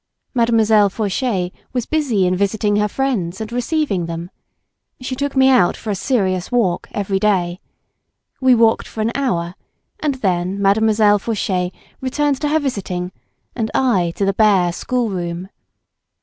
Mademoiselle Fauchet was busy in visiting her friends and receiving them. She took me out for a serious walk every day. We walked for an hour, and then Mademoiselle Fauchet returned to her visiting and I to the bare schoolroom.